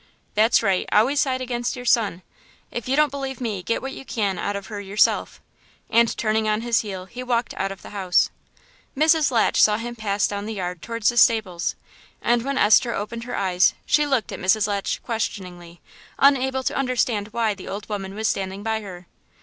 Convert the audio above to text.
"That's right; always side against your son! ...If you don't believe me, get what you can out of her yourself." And, turning on his heel, he walked out of the house. Mrs. Latch saw him pass down the yard towards the stables, and when Esther opened her eyes she looked at Mrs. Latch questioningly, unable to understand why the old woman was standing by her.